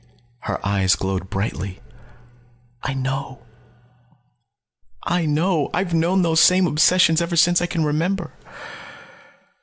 Her eyes glowed brightly. "I know. I know. I've known those same obsessions ever since I can remember."